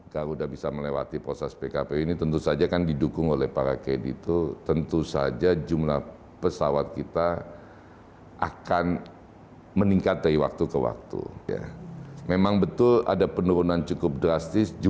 garuda berharap proses penundaan kewajiban pembayaran utang pkpu akan dioperasikan saat ini